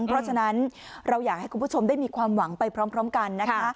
เพราะฉะนั้นเราอยากให้คุณผู้ชมได้มีความหวังไปพร้อมกันนะคะ